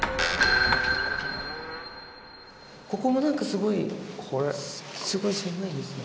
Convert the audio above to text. ここも何かすごいすごい狭いですね。